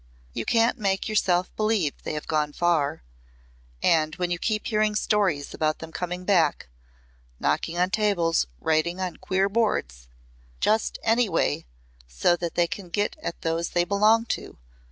You can't make yourself believe they have gone far And when you keep hearing stories about them coming back knocking on tables, writing on queer boards just any way so that they can get at those they belong to